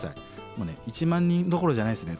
もうね１万人どころじゃないですね。